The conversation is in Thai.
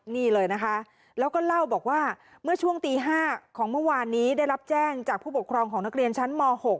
นี่เลยนะคะแล้วก็เล่าบอกว่าเมื่อช่วงตี๕ของเมื่อวานนี้ได้รับแจ้งจากผู้ปกครองของนักเรียนชั้นม๖